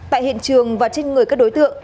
tại hiện trường và trên người các đối tượng